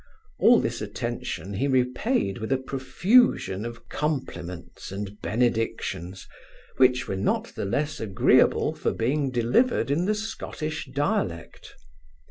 All this attention he repaid with a profusion of compliments and benedictions, which were not the less agreeable for being delivered in the Scottish dialect.